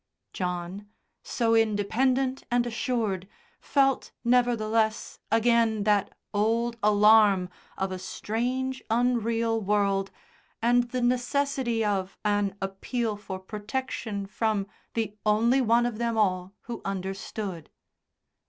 John, so independent and assured, felt, nevertheless, again that old alarm of a strange, unreal world, and the necessity of an appeal for protection from the only one of them all who understood.